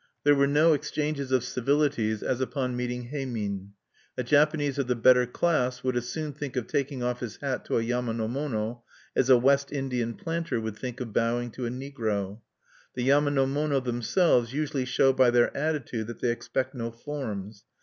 There were no exchanges of civilities, as upon meeting heimin; a Japanese of the better class would as soon think of taking off his hat to a yama no mono as a West Indian planter would think of bowing to a negro. The yama no mono themselves usually show by their attitude that they expect no forms.